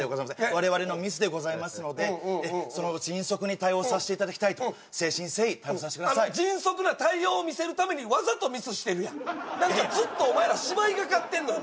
我々のミスでございますので迅速に対応させていただきたいと誠心誠意対応させてください迅速な対応を見せるためにわざとミスしてるやん何かずっとお前ら芝居がかってんのよ